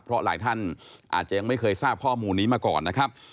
เพราะหลายท่านอาจจะยังไม่เคยทราบข้อมูลนี้มาก่อนนะครับ